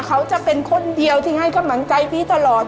เขาจะเป็นคนเดียวที่ให้กำลังใจพี่ตลอด